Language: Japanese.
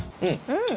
うん。